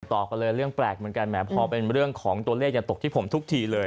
ต่อกันเลยเรื่องแปลกเหมือนกันแหมพอเป็นเรื่องของตัวเลขอย่าตกที่ผมทุกทีเลย